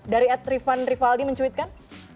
dari at rifan rifaldi mencuitkan